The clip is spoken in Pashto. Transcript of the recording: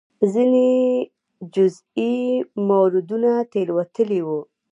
ځینې جزئي موردونو تېروتلي وو.